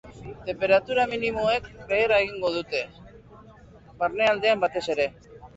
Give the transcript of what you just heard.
Tenperatura minimoek behera egingo dute, barnealdean batez ere.